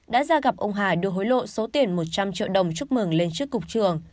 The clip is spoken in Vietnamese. đã ra gặp ông hải đưa hối lộ số tiền một trăm linh triệu đồng chúc mừng lên trước cục trường